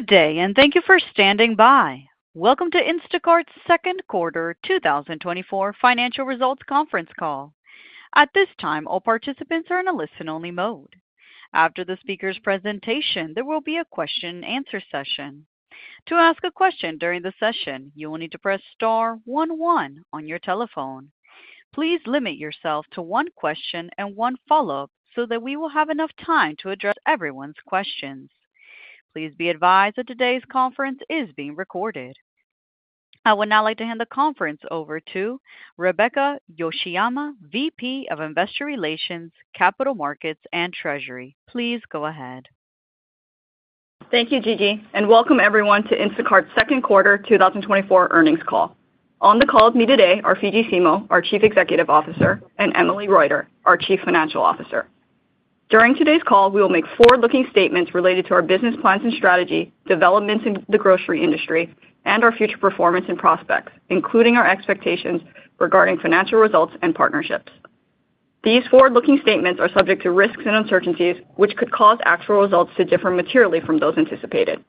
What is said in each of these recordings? Good day, and thank you for standing by. Welcome to Instacart's second quarter 2024 financial results conference call. At this time, all participants are in a listen-only mode. After the speaker's presentation, there will be a question and answer session. To ask a question during the session, you will need to press star one one on your telephone. Please limit yourself to one question and one follow-up so that we will have enough time to address everyone's questions. Please be advised that today's conference is being recorded. I would now like to hand the conference over to Rebecca Yoshiyama, VP of Investor Relations, Capital Markets, and Treasury. Please go ahead. Thank you, Fidjgi, and welcome everyone to Instacart's second quarter 2024 earnings call. On the call with me today are Fidji Simo, our Chief Executive Officer, and Emily Reuter, our Chief Financial Officer. During today's call, we will make forward-looking statements related to our business plans and strategy, developments in the grocery industry, and our future performance and prospects, including our expectations regarding financial results and partnerships. These forward-looking statements are subject to risks and uncertainties, which could cause actual results to differ materially from those anticipated.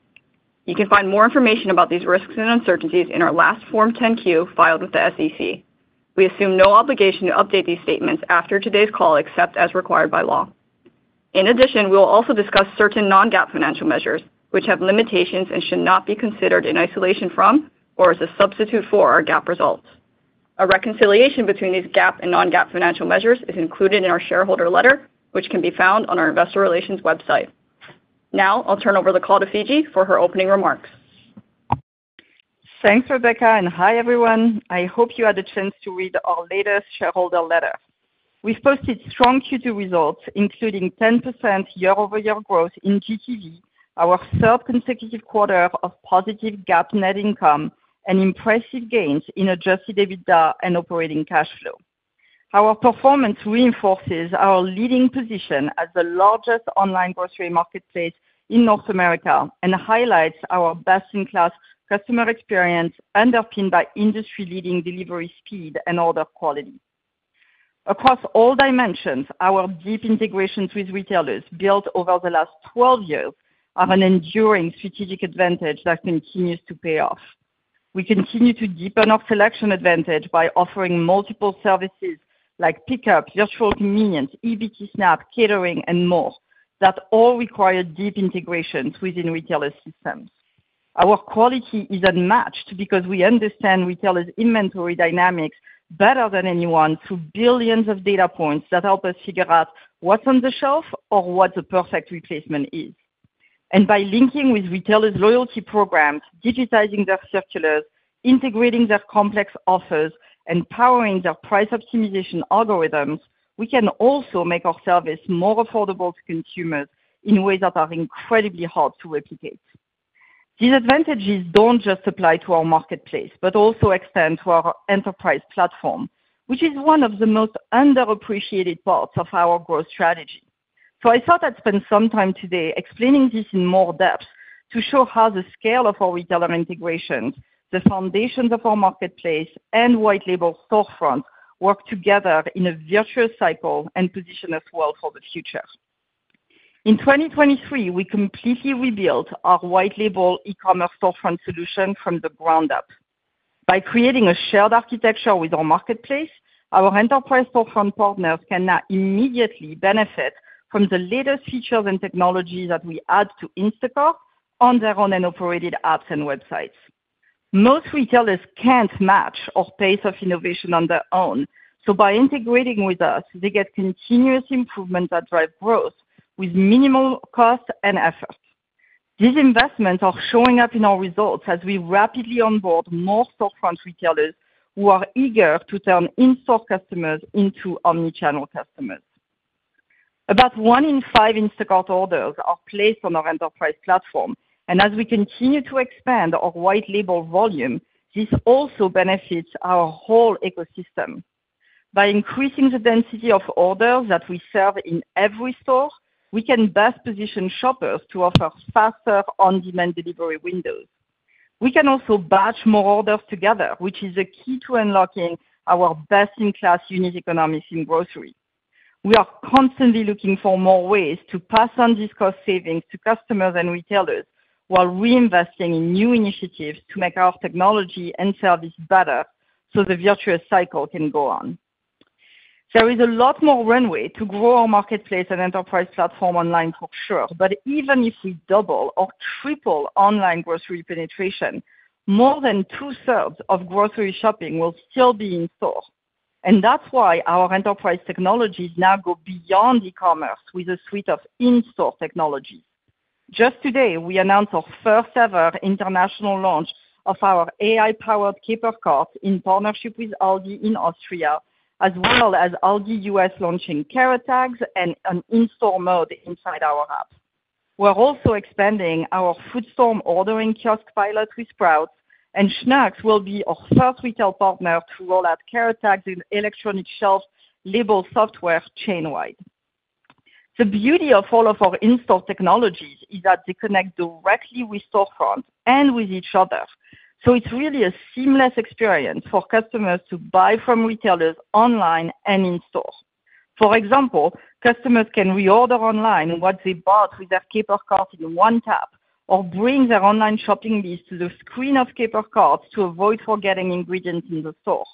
You can find more information about these risks and uncertainties in our last Form 10-Q filed with the SEC. We assume no obligation to update these statements after today's call, except as required by law. In addition, we will also discuss certain non-GAAP financial measures, which have limitations and should not be considered in isolation from or as a substitute for our GAAP results. A reconciliation between these GAAP and non-GAAP financial measures is included in our shareholder letter, which can be found on our investor relations website. Now, I'll turn over the call to Fidji for her opening remarks. Thanks, Rebecca, and hi, everyone. I hope you had the chance to read our latest shareholder letter. We've posted strong Q2 results, including 10% year-over-year growth in GTV, our third consecutive quarter of positive GAAP net income, and impressive gains in adjusted EBITDA and operating cash flow. Our performance reinforces our leading position as the largest online grocery marketplace in North America and highlights our best-in-class customer experience, underpinned by industry-leading delivery speed and order quality. Across all dimensions, our deep integrations with retailers, built over the last 12 years, are an enduring strategic advantage that continues to pay off. We continue to deepen our selection advantage by offering multiple services like pickup, virtual convenience, EBT SNAP, catering, and more, that all require deep integrations within retailer systems. Our quality is unmatched because we understand retailers' inventory dynamics better than anyone, through billions of data points that help us figure out what's on the shelf or what the perfect replacement is. By linking with retailers' loyalty programs, digitizing their circulars, integrating their complex offers, and powering their price optimization algorithms, we can also make our service more affordable to consumers in ways that are incredibly hard to replicate. These advantages don't just apply to our marketplace, but also extend to our enterprise platform, which is one of the most underappreciated parts of our growth strategy. I thought I'd spend some time today explaining this in more depth to show how the scale of our retailer integrations, the foundations of our marketplace, and white label storefront work together in a virtuous cycle and position us well for the future. In 2023, we completely rebuilt our white label e-commerce storefront solution from the ground up. By creating a shared architecture with our marketplace, our enterprise storefront partners can now immediately benefit from the latest features and technologies that we add to Instacart on their owned and operated apps and websites. Most retailers can't match our pace of innovation on their own, so by integrating with us, they get continuous improvements that drive growth with minimal cost and effort. These investments are showing up in our results as we rapidly onboard more storefront retailers who are eager to turn in-store customers into omni-channel customers. About one in five Instacart orders are placed on our enterprise platform, and as we continue to expand our white label volume, this also benefits our whole ecosystem. By increasing the density of orders that we serve in every store, we can best position shoppers to offer faster on-demand delivery windows. We can also batch more orders together, which is a key to unlocking our best-in-class unit economics in grocery. We are constantly looking for more ways to pass on these cost savings to customers and retailers, while reinvesting in new initiatives to make our technology and service better, so the virtuous cycle can go on. There is a lot more runway to grow our marketplace and enterprise platform online, for sure. But even if we double or triple online grocery penetration, more than two-thirds of grocery shopping will still be in store. That's why our enterprise technologies now go beyond e-commerce with a suite of in-store technology. Just today, we announced our first ever international launch of our AI-powered Caper Cart in partnership with ALDI in Austria, as well as ALDI US, launching Carrot Tags and an In-Store mode inside our app. We're also expanding our FoodStorm ordering kiosk pilot with Sprouts, and Schnucks will be our first retail partner to roll out Carrot Tags in electronic shelf label software chain-wide. The beauty of all of our in-store technologies is that they connect directly with Storefront and with each other. So it's really a seamless experience for customers to buy from retailers online and in store. For example, customers can reorder online what they bought with their Caper Cart in one tap, or bring their online shopping list to the screen of Caper Cart to avoid forgetting ingredients in the store.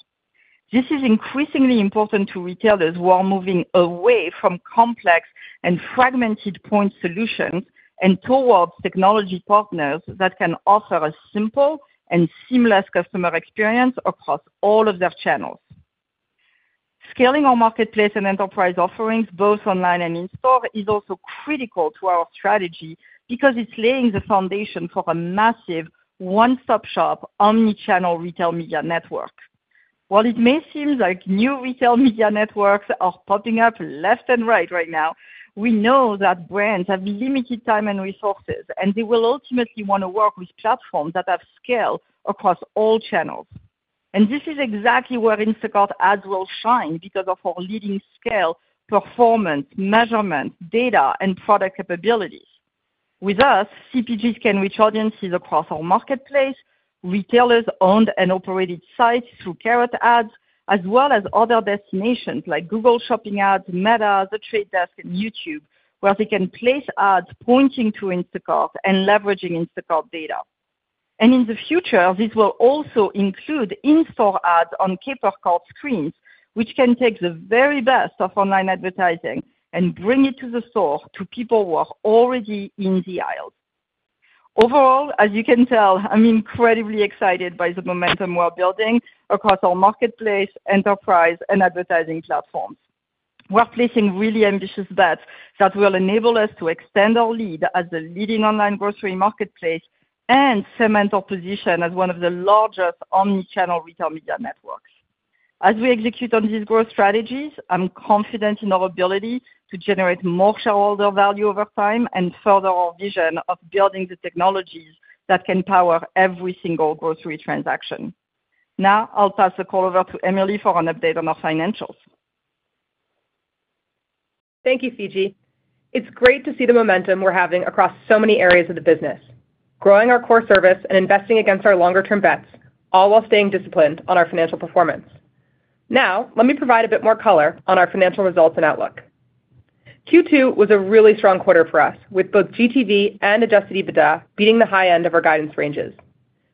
This is increasingly important to retailers who are moving away from complex and fragmented point solutions and towards technology partners that can offer a simple and seamless customer experience across all of their channels. Scaling our marketplace and enterprise offerings, both online and in-store, is also critical to our strategy because it's laying the foundation for a massive one-stop shop, omnichannel retail media network. While it may seem like new retail media networks are popping up left and right right now, we know that brands have limited time and resources, and they will ultimately want to work with platforms that have scale across all channels. This is exactly where Instacart Ads will shine because of our leading scale, performance, measurement, data, and product capabilities. With us, CPGs can reach audiences across our marketplace, retailers owned and operated sites through Carrot Ads, as well as other destinations like Google Shopping Ads, Meta, The Trade Desk, and YouTube, where they can place ads pointing to Instacart and leveraging Instacart data. And in the future, this will also include in-store ads on Caper Cart screens, which can take the very best of online advertising and bring it to the store to people who are already in the aisles. Overall, as you can tell, I'm incredibly excited by the momentum we're building across our marketplace, enterprise, and advertising platforms. We're placing really ambitious bets that will enable us to extend our lead as the leading online grocery marketplace and cement our position as one of the largest omnichannel retail media networks. As we execute on these growth strategies, I'm confident in our ability to generate more shareholder value over time and further our vision of building the technologies that can power every single grocery transaction. Now, I'll pass the call over to Emily for an update on our financials. Thank you, Fidji. It's great to see the momentum we're having across so many areas of the business, growing our core service and investing against our longer-term bets, all while staying disciplined on our financial performance. Now, let me provide a bit more color on our financial results and outlook. Q2 was a really strong quarter for us, with both GTV and adjusted EBITDA beating the high end of our guidance ranges.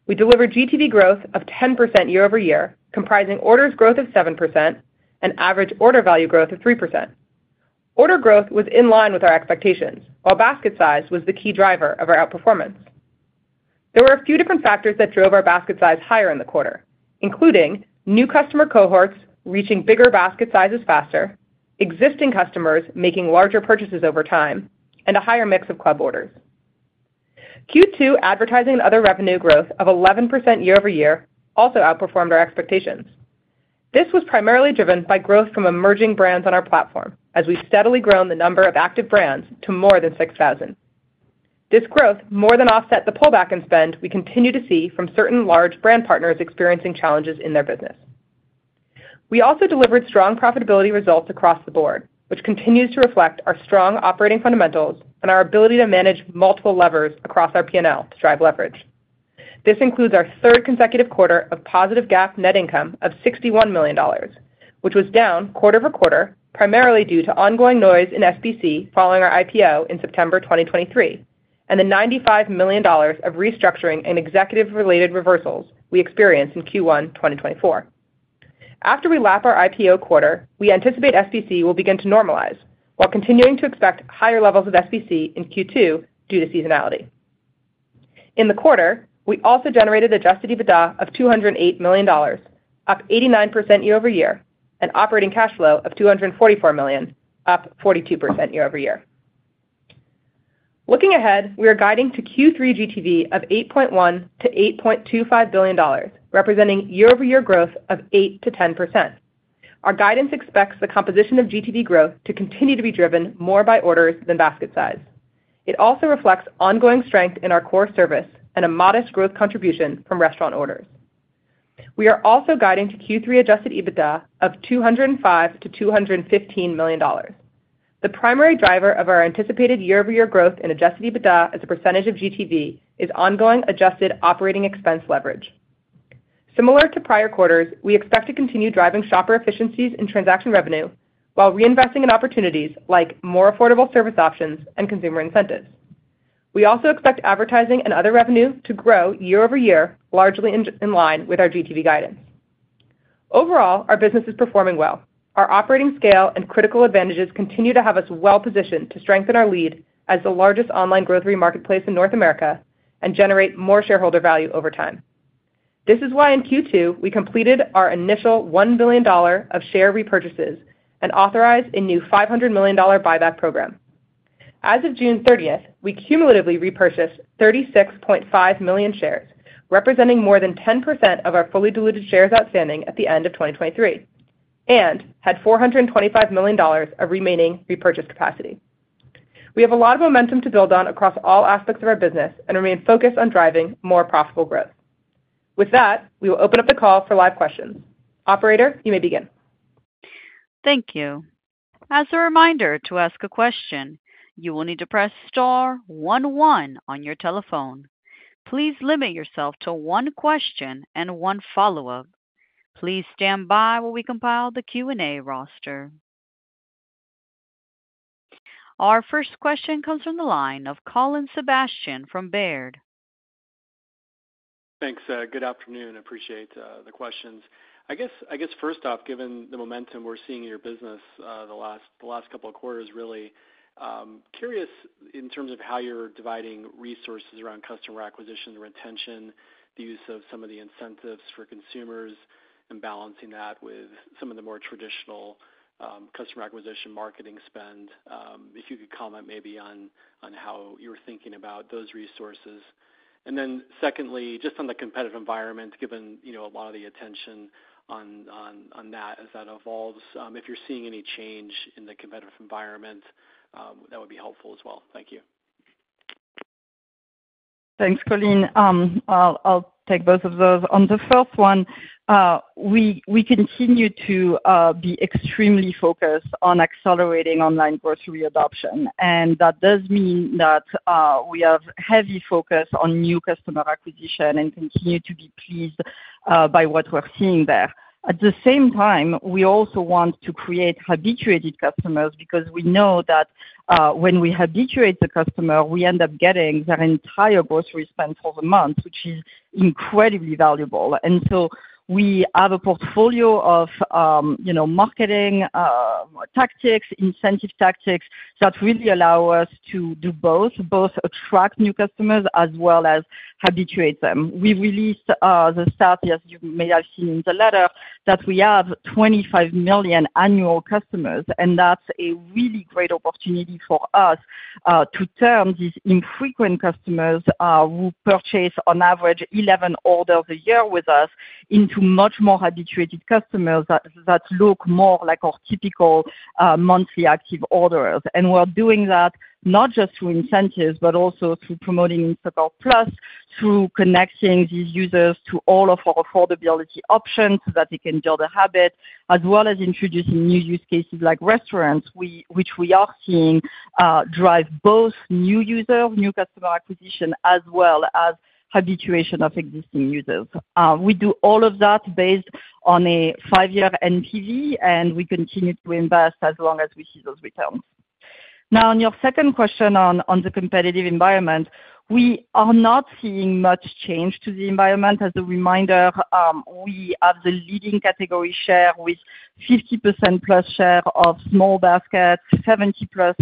We delivered GTV growth of 10% year-over-year, comprising orders growth of 7% and average order value growth of 3%. Order growth was in line with our expectations, while basket size was the key driver of our outperformance. There were a few different factors that drove our basket size higher in the quarter, including new customer cohorts reaching bigger basket sizes faster, existing customers making larger purchases over time, and a higher mix of club orders. Q2 advertising and other revenue growth of 11% year over year also outperformed our expectations. This was primarily driven by growth from emerging brands on our platform, as we've steadily grown the number of active brands to more than 6,000. This growth more than offset the pullback in spend we continue to see from certain large brand partners experiencing challenges in their business. We also delivered strong profitability results across the board, which continues to reflect our strong operating fundamentals and our ability to manage multiple levers across our PNL to drive leverage. This includes our third consecutive quarter of positive GAAP net income of $61 million, which was down quarter over quarter, primarily due to ongoing noise in SBC following our IPO in September 2023, and the $95 million of restructuring and executive-related reversals we experienced in Q1 2024. After we lap our IPO quarter, we anticipate SBC will begin to normalize, while continuing to expect higher levels of SBC in Q2 due to seasonality. In the quarter, we also generated adjusted EBITDA of $208 million, up 89% year over year, and operating cash flow of $244 million, up 42% year over year. Looking ahead, we are guiding to Q3 GTV of $8.1 billion-$8.25 billion, representing year-over-year growth of 8%-10%. Our guidance expects the composition of GTV growth to continue to be driven more by orders than basket size. It also reflects ongoing strength in our core service and a modest growth contribution from restaurant orders. We are also guiding to Q3 adjusted EBITDA of $205 million-$215 million. The primary driver of our anticipated year-over-year growth in adjusted EBITDA as a percentage of GTV is ongoing adjusted operating expense leverage. Similar to prior quarters, we expect to continue driving shopper efficiencies and transaction revenue while reinvesting in opportunities like more affordable service options and consumer incentives. We also expect advertising and other revenue to grow year over year, largely in line with our GTV guidance. Overall, our business is performing well. Our operating scale and critical advantages continue to have us well positioned to strengthen our lead as the largest online grocery marketplace in North America and generate more shareholder value over time. This is why in Q2, we completed our initial $1 billion of share repurchases and authorized a new $500 million buyback program. As of June 30th, we cumulatively repurchased 36.5 million shares, representing more than 10% of our fully diluted shares outstanding at the end of 2023, and had $425 million of remaining repurchase capacity. We have a lot of momentum to build on across all aspects of our business and remain focused on driving more profitable growth. With that, we will open up the call for live questions. Operator, you may begin. Thank you. As a reminder, to ask a question, you will need to press star one one on your telephone.... Please limit yourself to one question and one follow-up. Please stand by while we compile the Q&A roster. Our first question comes from the line of Colin Sebastian from Baird. Thanks, good afternoon. Appreciate the questions. I guess first off, given the momentum we're seeing in your business, the last couple of quarters, really curious in terms of how you're dividing resources around customer acquisition, retention, the use of some of the incentives for consumers, and balancing that with some of the more traditional customer acquisition marketing spend, if you could comment maybe on how you're thinking about those resources? And then secondly, just on the competitive environment, given you know a lot of the attention on that as that evolves, if you're seeing any change in the competitive environment, that would be helpful as well. Thank you. Thanks, Colin. I'll take both of those. On the first one, we continue to be extremely focused on accelerating online grocery adoption, and that does mean that we have heavy focus on new customer acquisition and continue to be pleased by what we're seeing there. At the same time, we also want to create habituated customers, because we know that when we habituate the customer, we end up getting their entire grocery spend for the month, which is incredibly valuable. And so we have a portfolio of, you know, marketing, tactics, incentive tactics, that really allow us to do both, both attract new customers as well as habituate them. We released the stat, as you may have seen in the letter, that we have 25 million annual customers, and that's a really great opportunity for us to turn these infrequent customers who purchase on average 11 orders a year with us, into much more habituated customers that look more like our typical monthly active orders. We're doing that not just through incentives, but also through promoting Instacart+, through connecting these users to all of our affordability options, so that they can build a habit, as well as introducing new use cases like restaurants, which we are seeing drive both new user, new customer acquisition, as well as habituation of existing users. We do all of that based on a five-year NPV, and we continue to invest as long as we see those returns. Now, on your second question on, on the competitive environment, we are not seeing much change to the environment. As a reminder, we have the leading category share with 50%+ share of small baskets, 70%+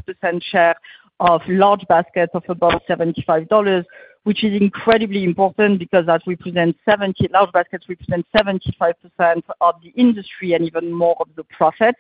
share of large baskets of about $75, which is incredibly important because as we present 70% large baskets, we present 75% of the industry and even more of the profit.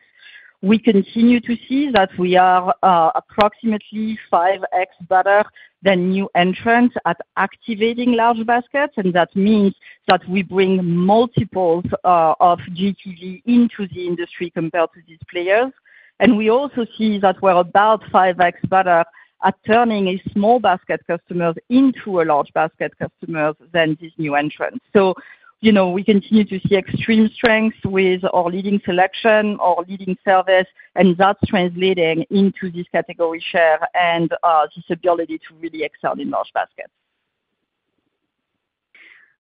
We continue to see that we are approximately 5x better than new entrants at activating large baskets, and that means that we bring multiples of GTV into the industry compared to these players. And we also see that we're about 5x better at turning a small basket customers into a large basket customers than these new entrants. So you know, we continue to see extreme strength with our leading selection, our leading service, and that's translating into this category share and this ability to really excel in large baskets.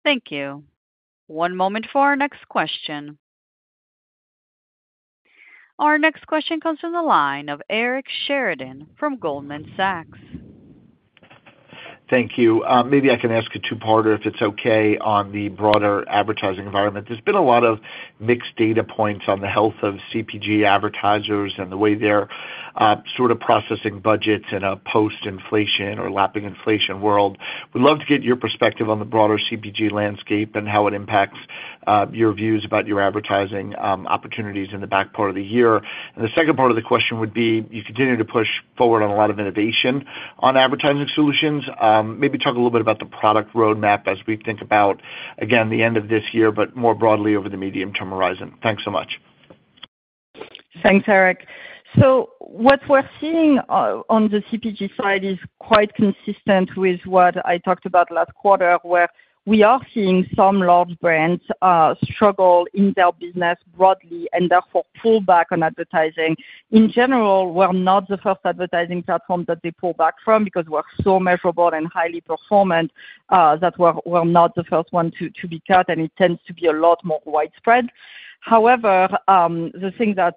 Thank you. One moment for our next question. Our next question comes from the line of Eric Sheridan from Goldman Sachs. Thank you. Maybe I can ask a two-parter, if it's okay, on the broader advertising environment. There's been a lot of mixed data points on the health of CPG advertisers and the way they're, sort of processing budgets in a post-inflation or lapping inflation world. Would love to get your perspective on the broader CPG landscape and how it impacts, your views about your advertising, opportunities in the back part of the year? And the second part of the question would be, you continue to push forward on a lot of innovation on advertising solutions. Maybe talk a little bit about the product roadmap as we think about, again, the end of this year, but more broadly over the medium-term horizon? Thanks so much. Thanks, Eric. So what we're seeing on the CPG side is quite consistent with what I talked about last quarter, where we are seeing some large brands struggle in their business broadly and therefore pull back on advertising. In general, we're not the first advertising platform that they pull back from, because we're so measurable and highly performant, that we're not the first one to be cut, and it tends to be a lot more widespread. However, the thing that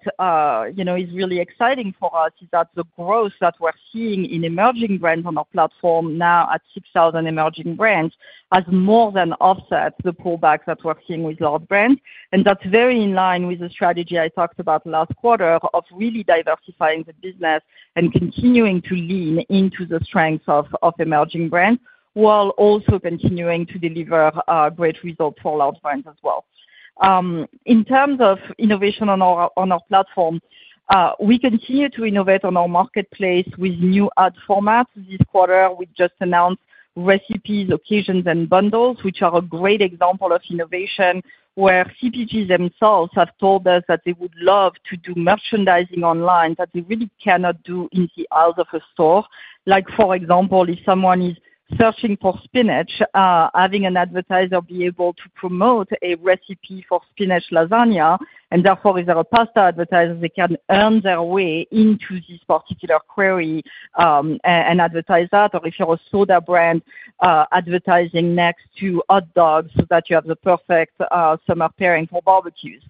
you know is really exciting for us is that the growth that we're seeing in emerging brands on our platform, now at 6,000 emerging brands, has more than offset the pullback that we're seeing with large brands. That's very in line with the strategy I talked about last quarter of really diversifying the business and continuing to lean into the strengths of emerging brands, while also continuing to deliver great results for large brands as well. In terms of innovation on our platform, we continue to innovate on our marketplace with new ad formats. This quarter, we just announced Recipes, Occasions, and Bundles, which are a great example of innovation, where CPGs themselves have told us that they would love to do merchandising online, that they really cannot do in the aisles of a store. Like, for example, if someone is searching for spinach, having an advertiser be able to promote a recipe for spinach lasagna, and therefore if they're a pasta advertiser, they can earn their way into this particular query, and advertise that, or if you're a soda brand, advertising next to hot dogs, so that you have the perfect summer pairing for barbecues.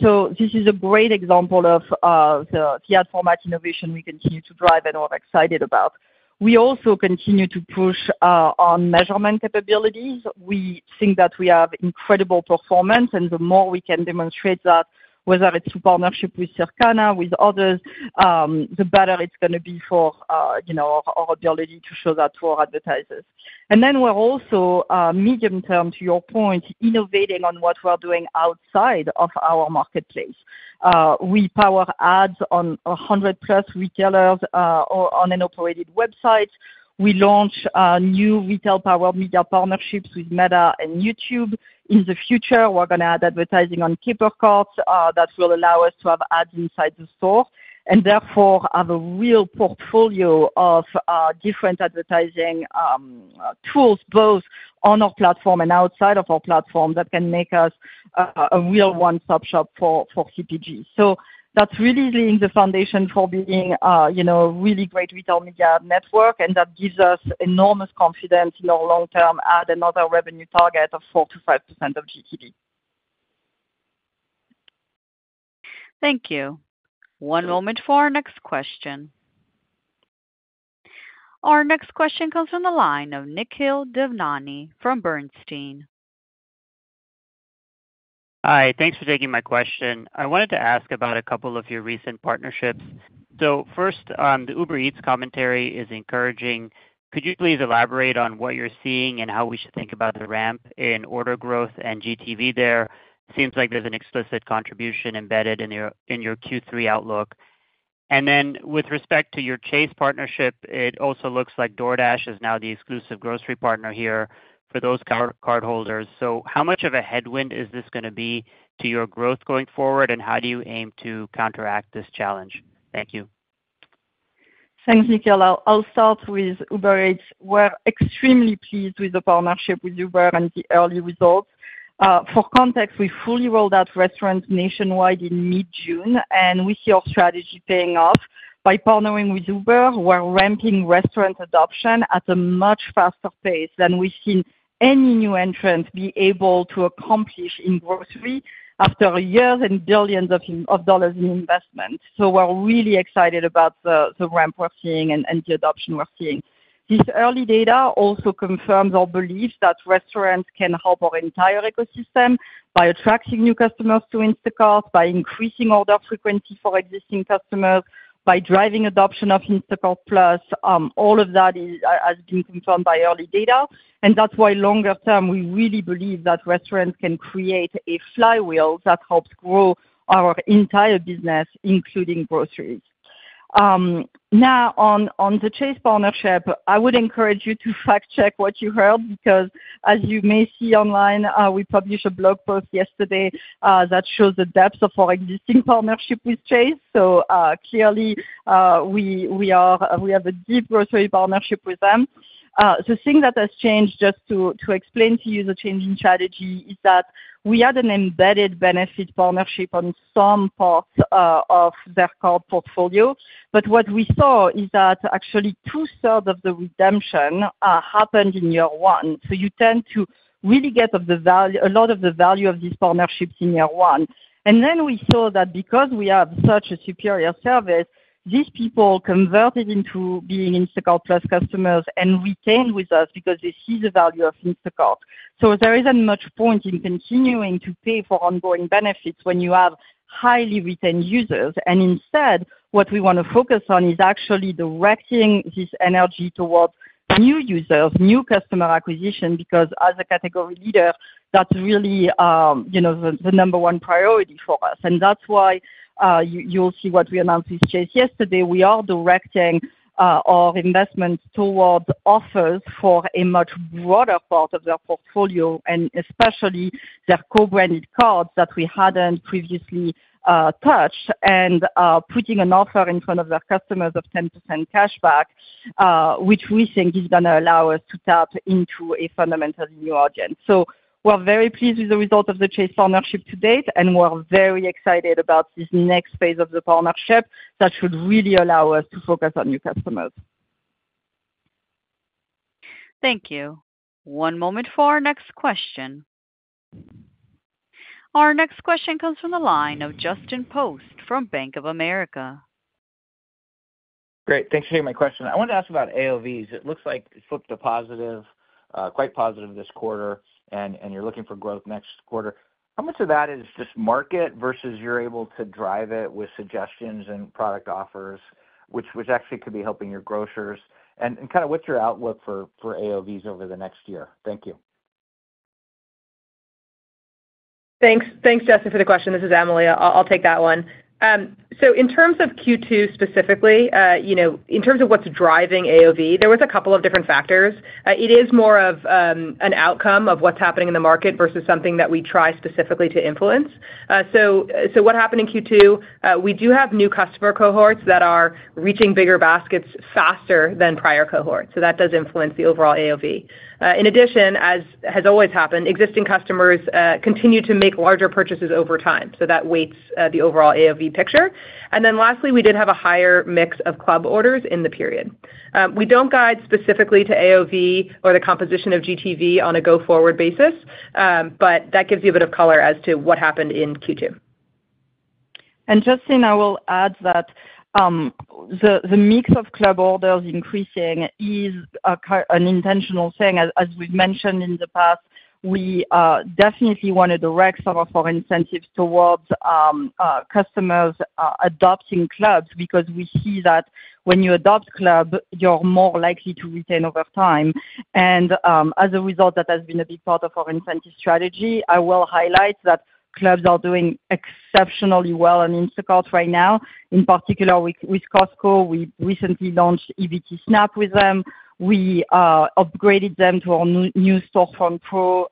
So this is a great example of the ad format innovation we continue to drive and are excited about. We also continue to push on measurement capabilities. We think that we have incredible performance, and the more we can demonstrate that, whether it's through partnership with Circana, with others, the better it's gonna be for, you know, our ability to show that to our advertisers. And then we're also, medium term, to your point, innovating on what we're doing outside of our marketplace. We power ads on 100+ retailers, owned and operated website. We launch new retail media partnerships with Meta and YouTube. In the future, we're gonna add advertising on Caper Carts, that will allow us to have ads inside the store, and therefore, have a real portfolio of different advertising tools, both on our platform and outside of our platform, that can make us a real one-stop shop for CPG. So that's really laying the foundation for being, you know, a really great retail media network, and that gives us enormous confidence in our long-term ad and other revenue target of 4%-5% of GTV. Thank you. One moment for our next question. Our next question comes from the line of Nikhil Devnani from Bernstein. Hi, thanks for taking my question. I wanted to ask about a couple of your recent partnerships. So first, the Uber Eats commentary is encouraging. Could you please elaborate on what you're seeing and how we should think about the ramp in order growth and GTV there? Seems like there's an explicit contribution embedded in your Q3 outlook. And then, with respect to your Chase partnership, it also looks like DoorDash is now the exclusive grocery partner here for those cardholders. So how much of a headwind is this gonna be to your growth going forward, and how do you aim to counteract this challenge? Thank you. Thanks, Nikhil. I'll start with Uber Eats. We're extremely pleased with the partnership with Uber and the early results. For context, we fully rolled out restaurants nationwide in mid-June, and we see our strategy paying off. By partnering with Uber, we're ramping restaurant adoption at a much faster pace than we've seen any new entrant be able to accomplish in grocery after years and billions of dollars in investment. So we're really excited about the ramp we're seeing and the adoption we're seeing. This early data also confirms our belief that restaurants can help our entire ecosystem by attracting new customers to Instacart, by increasing order frequency for existing customers, by driving adoption of Instacart+. All of that has been confirmed by early data, and that's why longer term, we really believe that restaurants can create a flywheel that helps grow our entire business, including groceries. Now on the Chase partnership, I would encourage you to fact-check what you heard, because as you may see online, we published a blog post yesterday that shows the depth of our existing partnership with Chase. So, clearly, we have a deep grocery partnership with them. The thing that has changed, just to explain to you the change in strategy, is that we had an embedded benefit partnership on some parts of their card portfolio. But what we saw is that actually two-thirds of the redemption happened in year one, so you tend to really get of the value—a lot of the value of these partnerships in year one. And then we saw that because we have such a superior service, these people converted into being Instacart+ customers and retained with us because they see the value of Instacart. So there isn't much point in continuing to pay for ongoing benefits when you have highly retained users. And instead, what we wanna focus on is actually directing this energy towards new users, new customer acquisition, because as a category leader, that's really, you know, the number one priority for us. And that's why, you'll see what we announced with Chase yesterday. We are directing our investments towards offers for a much broader part of their portfolio, and especially their co-branded cards that we hadn't previously touched, and putting an offer in front of their customers of 10% cashback, which we think is gonna allow us to tap into a fundamentally new audience. So we're very pleased with the result of the Chase partnership to date, and we're very excited about this next phase of the partnership that should really allow us to focus on new customers. Thank you. One moment for our next question. Our next question comes from the line of Justin Post from Bank of America. Great. Thanks for taking my question. I wanted to ask about AOVs. It looks like it flipped to positive, quite positive this quarter, and you're looking for growth next quarter. How much of that is just market versus you're able to drive it with suggestions and product offers, which actually could be helping your grocers? And kind of what's your outlook for AOVs over the next year? Thank you. Thanks, Justin, for the question. This is Emily. I'll take that one. So in terms of Q2 specifically, you know, in terms of what's driving AOV, there was a couple of different factors. It is more of an outcome of what's happening in the market versus something that we try specifically to influence. So what happened in Q2, we do have new customer cohorts that are reaching bigger baskets faster than prior cohorts, so that does influence the overall AOV. In addition, as has always happened, existing customers continue to make larger purchases over time, so that weighs the overall AOV picture. And then lastly, we did have a higher mix of club orders in the period. We don't guide specifically to AOV or the composition of GTV on a go-forward basis, but that gives you a bit of color as to what happened in Q2.... And Justin, I will add that, the mix of Club orders increasing is an intentional thing. As we've mentioned in the past, we definitely want to direct some of our incentives towards customers adopting Clubs, because we see that when you adopt Club, you're more likely to retain over time. And as a result, that has been a big part of our incentive strategy. I will highlight that Clubs are doing exceptionally well on Instacart right now. In particular, with Costco, we recently launched EBT SNAP with them. We upgraded them to our new Storefront Pro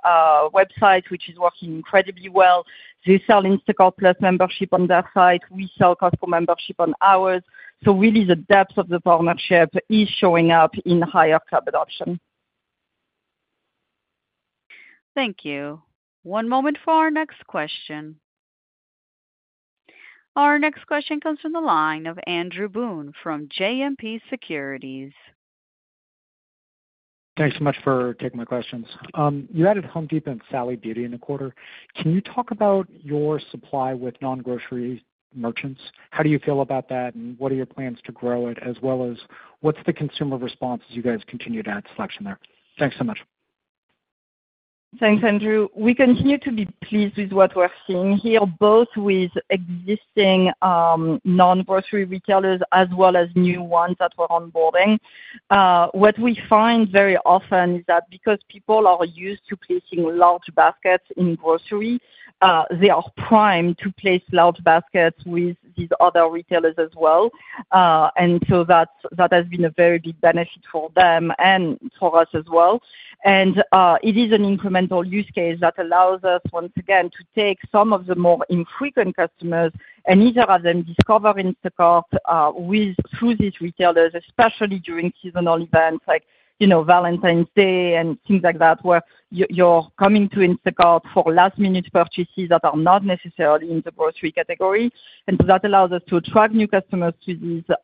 website, which is working incredibly well. They sell Instacart+ membership on their site. We sell Costco membership on ours. So really, the depth of the partnership is showing up in higher Club adoption. Thank you. One moment for our next question. Our next question comes from the line of Andrew Boone from JMP Securities. Thanks so much for taking my questions. You added Home Depot and Sally Beauty in the quarter. Can you talk about your supply with non-grocery merchants? How do you feel about that, and what are your plans to grow it, as well as what's the consumer response as you guys continue to add selection there? Thanks so much. Thanks, Andrew. We continue to be pleased with what we're seeing here, both with existing non-grocery retailers as well as new ones that we're onboarding. What we find very often is that because people are used to placing large baskets in grocery, they are primed to place large baskets with these other retailers as well. And so that has been a very big benefit for them and for us as well. It is an incremental use case that allows us, once again, to take some of the more infrequent customers and either have them discover Instacart through these retailers, especially during seasonal events like, you know, Valentine's Day and things like that, where you're coming to Instacart for last-minute purchases that are not necessarily in the grocery category. And so that allows us to attract new customers to these, to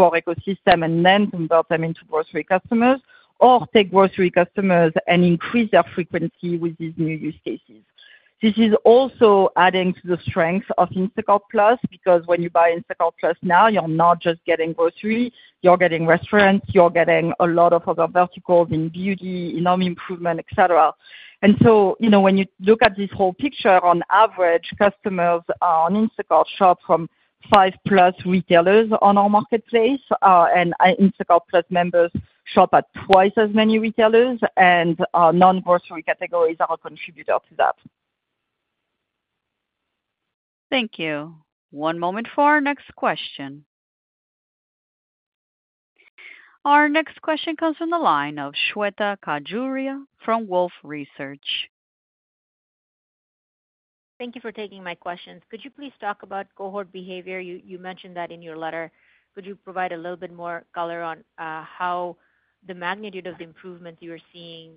our ecosystem and then convert them into grocery customers, or take grocery customers and increase their frequency with these new use cases. This is also adding to the strength of Instacart+, because when you buy Instacart+ now, you're not just getting grocery, you're getting restaurants, you're getting a lot of other verticals in beauty, in home improvement, et cetera. And so, you know, when you look at this whole picture, on average, customers on Instacart shop from 5+ retailers on our marketplace, and Instacart+ members shop at twice as many retailers, and non-grocery categories are a contributor to that. Thank you. One moment for our next question. Our next question comes from the line of Shweta Khajuria from Wolfe Research. Thank you for taking my questions. Could you please talk about cohort behavior? You mentioned that in your letter. Could you provide a little bit more color on how the magnitude of the improvement you are seeing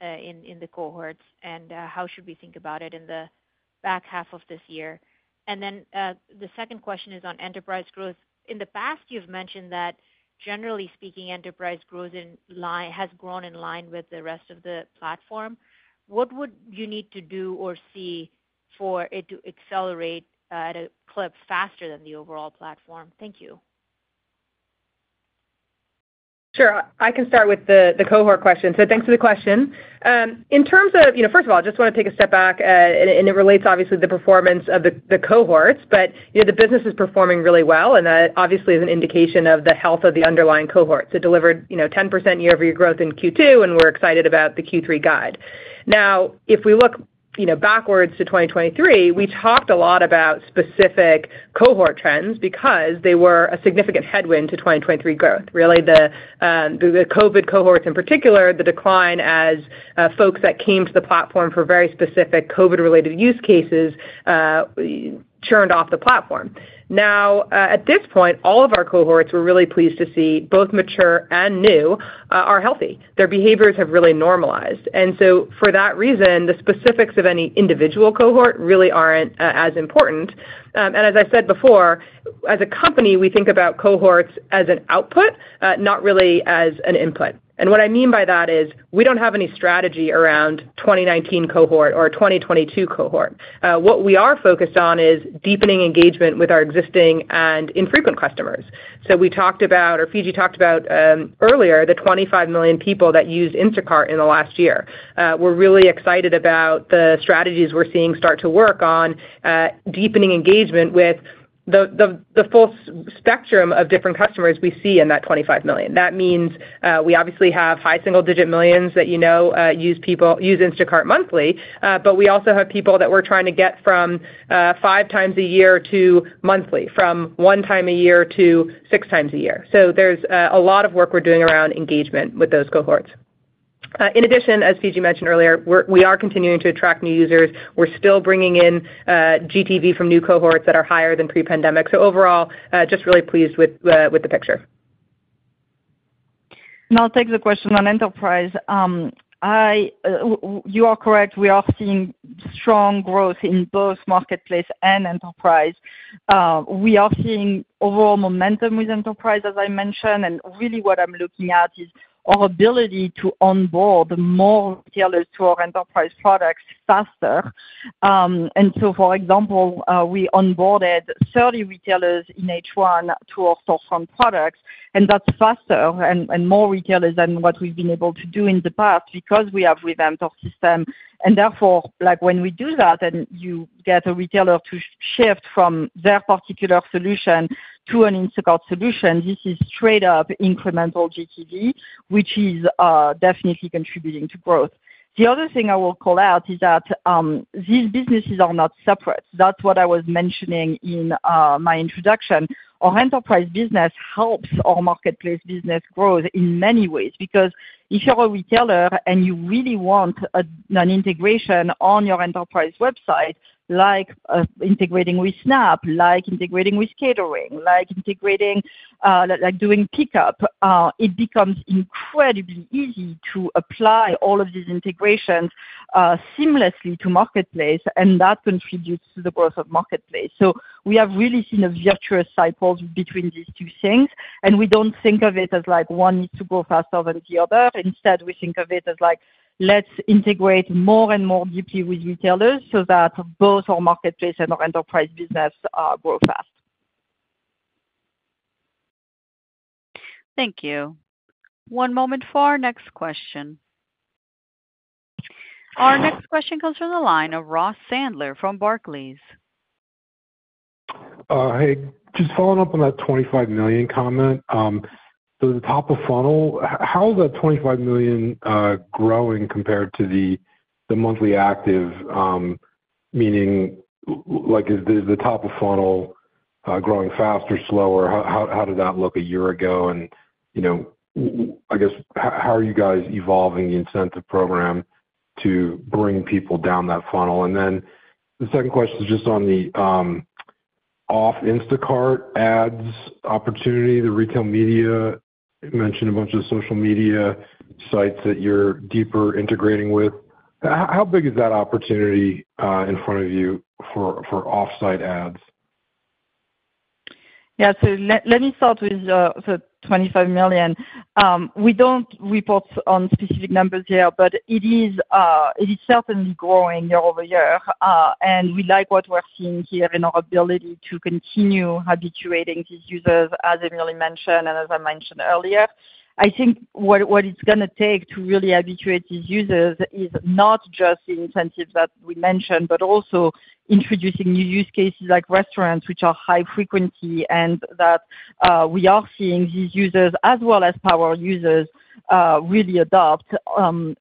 in the cohorts, and how should we think about it in the back half of this year? And then, the second question is on enterprise growth. In the past, you've mentioned that, generally speaking, enterprise growth in line has grown in line with the rest of the platform. What would you need to do or see for it to accelerate at a clip faster than the overall platform? Thank you. Sure. I can start with the cohort question, so thanks for the question. In terms of... You know, first of all, I just want to take a step back, and it relates, obviously, the performance of the cohorts, but, you know, the business is performing really well, and that obviously is an indication of the health of the underlying cohorts. It delivered, you know, 10% year-over-year growth in Q2, and we're excited about the Q3 guide. Now, if we look, you know, backwards to 2023, we talked a lot about specific cohort trends because they were a significant headwind to 2023 growth. Really, the COVID cohorts, in particular, the decline as folks that came to the platform for very specific COVID-related use cases churned off the platform. Now, at this point, all of our cohorts, we're really pleased to see, both mature and new, are healthy. Their behaviors have really normalized. And so for that reason, the specifics of any individual cohort really aren't as important. And as I said before, as a company, we think about cohorts as an output, not really as an input. And what I mean by that is, we don't have any strategy around 2019 cohort or 2022 cohort. What we are focused on is deepening engagement with our existing and infrequent customers. So we talked about, or Fidji talked about, earlier, the 25 million people that used Instacart in the last year. We're really excited about the strategies we're seeing start to work on, deepening engagement with the full spectrum of different customers we see in that 25 million. That means, we obviously have high single-digit millions that, you know, use Instacart monthly, but we also have people that we're trying to get from, five times a year to monthly, from one time a year to six times a year. So there's, a lot of work we're doing around engagement with those cohorts. In addition, as Fidji mentioned earlier, we are continuing to attract new users. We're still bringing in, GTV from new cohorts that are higher than pre-pandemic. So overall, just really pleased with the picture.... And I'll take the question on enterprise. You are correct, we are seeing strong growth in both marketplace and enterprise. We are seeing overall momentum with enterprise, as I mentioned, and really what I'm looking at is our ability to onboard more retailers to our enterprise products faster. And so, for example, we onboarded 30 retailers in H1 to our Storefront products, and that's faster and more retailers than what we've been able to do in the past because we have revamped our system. And therefore, like, when we do that, and you get a retailer to shift from their particular solution to an Instacart solution, this is straight up incremental GTV, which is definitely contributing to growth. The other thing I will call out is that these businesses are not separate. That's what I was mentioning in my introduction. Our enterprise business helps our marketplace business grow in many ways, because if you're a retailer and you really want an integration on your enterprise website, like, integrating with SNAP, like integrating with catering, like integrating, like, like doing pickup, it becomes incredibly easy to apply all of these integrations, seamlessly to marketplace, and that contributes to the growth of marketplace. So we have really seen a virtuous cycle between these two things, and we don't think of it as, like, one needs to grow faster than the other. Instead, we think of it as, like, let's integrate more and more deeply with retailers so that both our marketplace and our enterprise business, grow fast. Thank you. One moment for our next question. Our next question comes from the line of Ross Sandler from Barclays. Hey, just following up on that 25 million comment. So the top of funnel, how is that 25 million growing compared to the monthly active? Meaning, like, is the top of funnel growing faster, slower? How did that look a year ago? And, you know, I guess, how are you guys evolving the incentive program to bring people down that funnel? And then the second question is just on the off Instacart Ads opportunity, the retail media. You mentioned a bunch of social media sites that you're deeper integrating with. How big is that opportunity in front of you for offsite ads? Yeah. So let me start with the 25 million. We don't report on specific numbers here, but it is certainly growing year-over-year. And we like what we're seeing here in our ability to continue habituating these users, as Emily mentioned, and as I mentioned earlier. I think what it's gonna take to really habituate these users is not just the incentives that we mentioned, but also introducing new use cases like restaurants, which are high frequency, and that we are seeing these users as well as our users really adopt.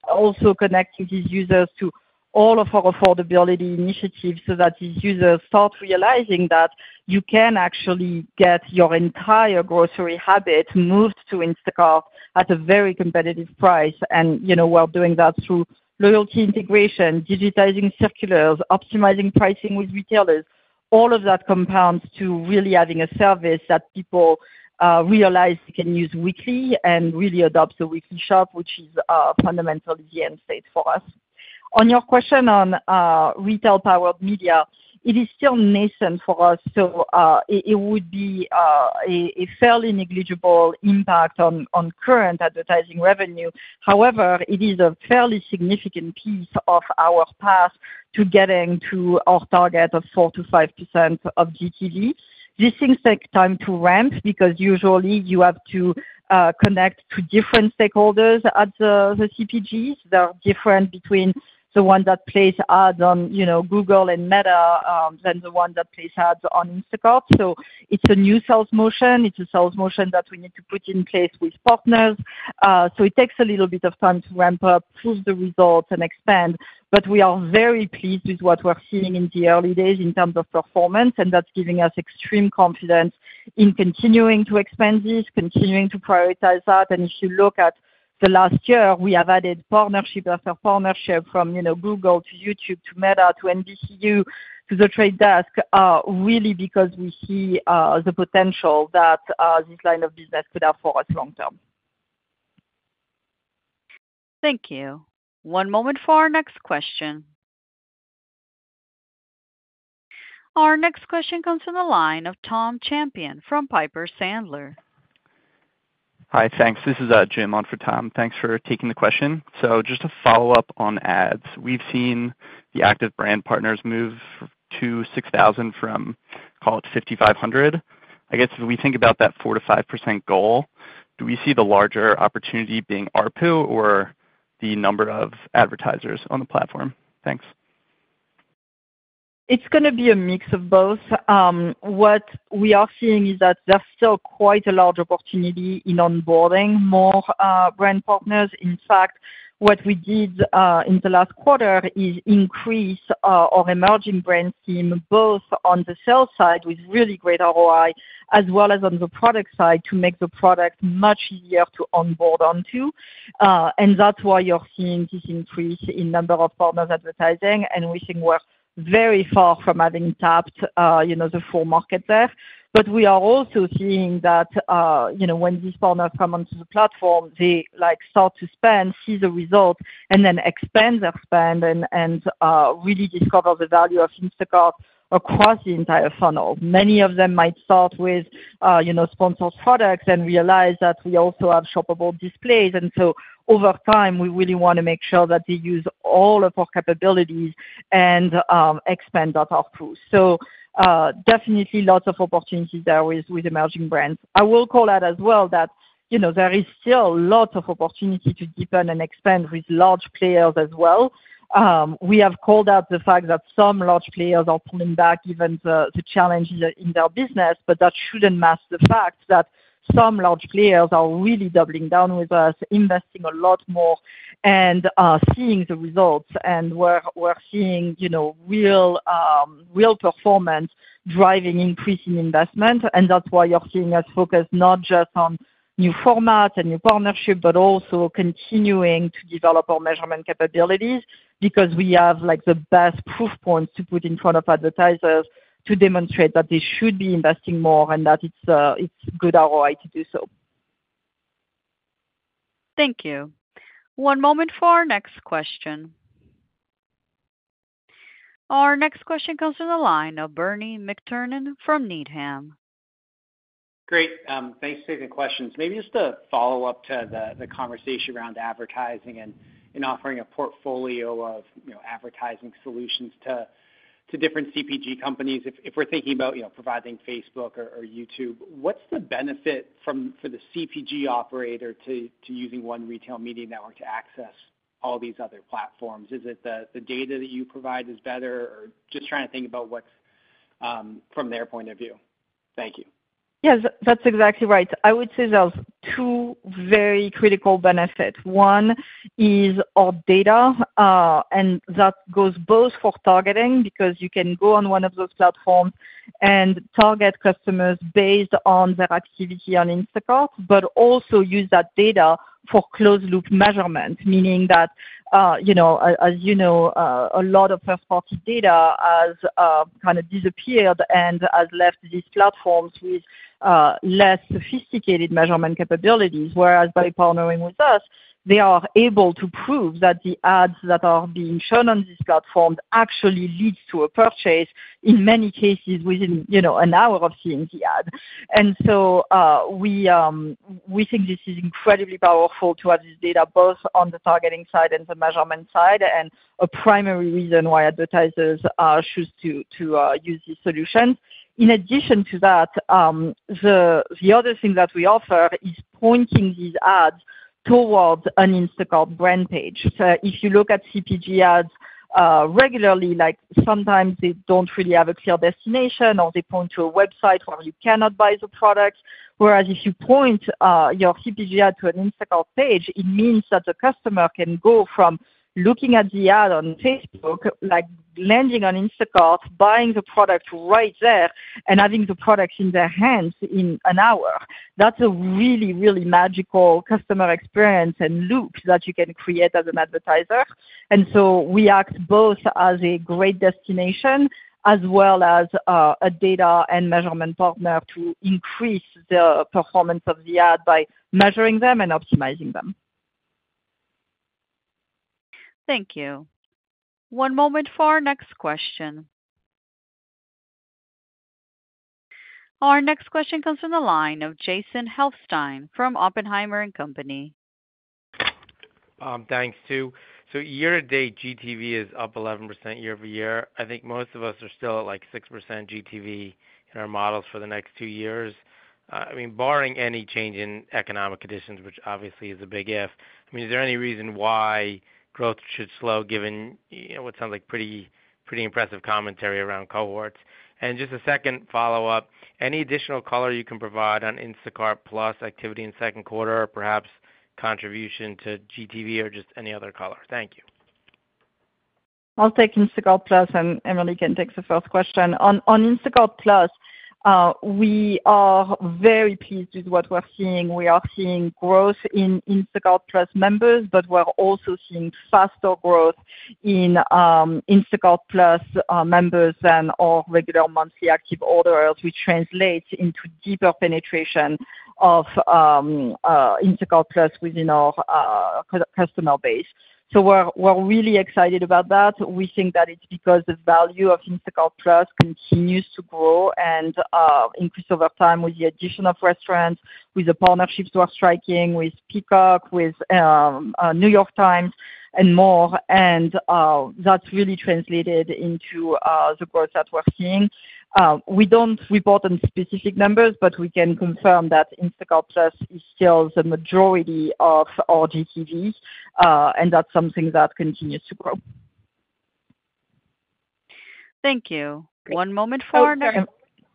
Also connecting these users to all of our affordability initiatives so that these users start realizing that you can actually get your entire grocery habit moved to Instacart at a very competitive price. You know, we're doing that through loyalty integration, digitizing circulars, optimizing pricing with retailers. All of that compounds to really having a service that people realize they can use weekly and really adopt the weekly shop, which is a fundamental GM state for us. On your question on retail powered media, it is still nascent for us, so it would be a fairly negligible impact on current advertising revenue. However, it is a fairly significant piece of our path to getting to our target of 4%-5% of GTV. These things take time to ramp, because usually you have to connect to different stakeholders at the CPGs. They are different between the one that place ads on, you know, Google and Meta than the one that place ads on Instacart. So it's a new sales motion. It's a sales motion that we need to put in place with partners. So it takes a little bit of time to ramp up, prove the results, and expand. But we are very pleased with what we're seeing in the early days in terms of performance, and that's giving us extreme confidence in continuing to expand this, continuing to prioritize that. And if you look at the last year, we have added partnership after partnership from, you know, Google to YouTube, to Meta, to NBCU, to The Trade Desk, really because we see the potential that this line of business could have for us long term. Thank you. One moment for our next question. Our next question comes from the line of Tom Champion from Piper Sandler. Hi, thanks. This is Jim on for Tom. Thanks for taking the question. So just to follow up on ads, we've seen the active brand partners move to 6,000 from, call it 5,500. I guess, when we think about that 4%-5% goal, do we see the larger opportunity being ARPU or the number of advertisers on the platform? Thanks. ... It's gonna be a mix of both. What we are seeing is that there's still quite a large opportunity in onboarding more brand partners. In fact, what we did in the last quarter is increase our emerging brand team, both on the sales side, with really great ROI, as well as on the product side, to make the product much easier to onboard onto. And that's why you're seeing this increase in number of partners advertising, and we think we're very far from having tapped you know, the full market there. But we are also seeing that you know, when these partners come onto the platform, they like, start to spend, see the result, and then expand their spend and really discover the value of Instacart across the entire funnel. Many of them might start with, you know, sponsored products and realize that we also have Shoppable Displays. And so over time, we really wanna make sure that they use all of our capabilities and expand that output. So, definitely lots of opportunities there with emerging brands. I will call out as well that, you know, there is still lots of opportunity to deepen and expand with large players as well. We have called out the fact that some large players are pulling back, given the challenges in their business, but that shouldn't mask the fact that some large players are really doubling down with us, investing a lot more, and seeing the results. And we're seeing, you know, real performance driving increasing investment. That's why you're seeing us focus not just on new formats and new partnership, but also continuing to develop our measurement capabilities, because we have, like, the best proof points to put in front of advertisers to demonstrate that they should be investing more and that it's good ROI to do so. Thank you. One moment for our next question. Our next question comes from the line of Bernie McTernan from Needham. Great, thanks for taking the questions. Maybe just to follow up to the conversation around advertising and offering a portfolio of, you know, advertising solutions to different CPG companies. If we're thinking about, you know, providing Facebook or YouTube, what's the benefit from—for the CPG operator to using one retail media network to access all these other platforms? Is it the data that you provide is better? Or just trying to think about what's from their point of view. Thank you. Yes, that's exactly right. I would say there's two very critical benefits. One is our data, and that goes both for targeting, because you can go on one of those platforms and target customers based on their activity on Instacart, but also use that data for closed loop measurement. Meaning that, you know, as you know, a lot of first party data has kind of disappeared and has left these platforms with less sophisticated measurement capabilities. Whereas by partnering with us, they are able to prove that the ads that are being shown on this platform actually leads to a purchase, in many cases, within, you know, an hour of seeing the ad. And so, we think this is incredibly powerful to have this data, both on the targeting side and the measurement side, and a primary reason why advertisers choose to use this solution. In addition to that, the other thing that we offer is pointing these ads towards an Instacart brand page. So if you look at CPG ads regularly, like sometimes they don't really have a clear destination, or they point to a website where you cannot buy the product. Whereas if you point your CPG ad to an Instacart page, it means that the customer can go from looking at the ad on Facebook, like landing on Instacart, buying the product right there, and having the product in their hands in an hour. That's a really, really magical customer experience and loop that you can create as an advertiser. And so we act both as a great destination, as well, a data and measurement partner to increase the performance of the ad by measuring them and optimizing them. Thank you. One moment for our next question. Our next question comes from the line of Jason Helfstein from Oppenheimer & Co. Thanks, Sue. So year to date, GTV is up 11% year-over-year. I think most of us are still at, like, 6% GTV in our models for the next two years. I mean, barring any change in economic conditions, which obviously is a big if, I mean, is there any reason why growth should slow, given, you know, what sounds like pretty, pretty impressive commentary around cohorts? And just a second follow-up, any additional color you can provide on Instacart+ activity in second quarter, or perhaps contribution to GTV or just any other color? Thank you. I'll take Instacart Plus, and Emily can take the first question. On Instacart Plus, we are very pleased with what we're seeing. We are seeing growth in Instacart Plus members, but we're also seeing faster growth in Instacart Plus members than our regular monthly active orders, which translates into deeper penetration of Instacart Plus within our customer base. So we're really excited about that. We think that it's because the value of Instacart Plus continues to grow and increase over time with the addition of restaurants, with the partnerships we're striking with Peacock, with New York Times and more, and that's really translated into the growth that we're seeing. We don't report on specific numbers, but we can confirm that Instacart+ is still the majority of our GTV, and that's something that continues to grow. Thank you. One moment for our next... Oh, sorry.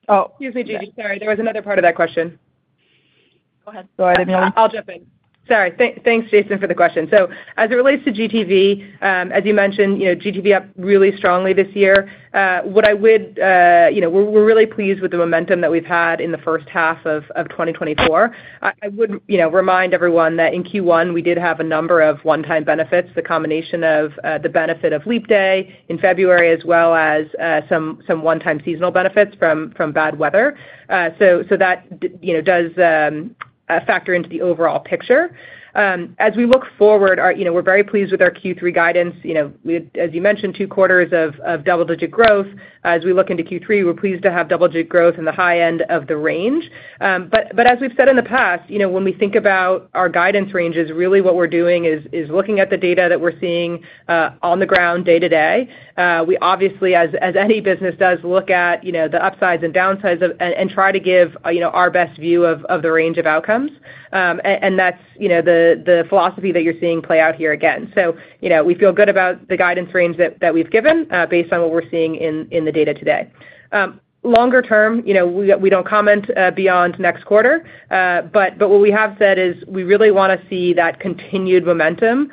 Oh, excuse me, Gigi. Sorry, there was another part of that question. Go ahead. Go ahead, Emily. I'll jump in. Sorry. Thanks, Jason, for the question. So as it relates to GTV, as you mentioned, you know, GTV up really strongly this year. What I would, you know, we're really pleased with the momentum that we've had in the first half of 2024. I would, you know, remind everyone that in Q1, we did have a number of one-time benefits, the combination of the benefit of leap day in February, as well as some one-time seasonal benefits from bad weather. So that you know, does factor into the overall picture. As we look forward, our... You know, we're very pleased with our Q3 guidance. You know, we had, as you mentioned, two quarters of double-digit growth. As we look into Q3, we're pleased to have double-digit growth in the high end of the range. But as we've said in the past, you know, when we think about our guidance ranges, really what we're doing is looking at the data that we're seeing on the ground day to day. We obviously, as any business does, look at, you know, the upsides and downsides of. And try to give, you know, our best view of the range of outcomes. And that's, you know, the philosophy that you're seeing play out here again. So, you know, we feel good about the guidance range that we've given, based on what we're seeing in the data today. Longer term, you know, we don't comment beyond next quarter. But what we have said is we really wanna see that continued momentum